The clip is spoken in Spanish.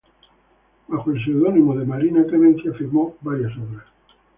Bajo el pseudónimo de Marina Clemencia, firmó varias obras.